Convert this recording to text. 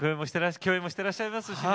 共演もしてらっしゃいますしね。